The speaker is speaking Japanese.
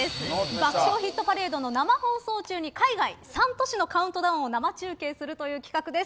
「爆笑ヒットパレード」の生放送中に海外３都市のカウントダウンを生中継するという企画です。